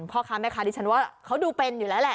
พ่อค้าแม่ค้าดิฉันว่าเขาดูเป็นอยู่แล้วแหละ